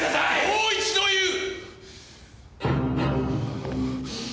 もう一度言う！